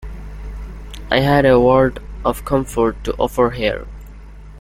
I had a word of comfort to offer here.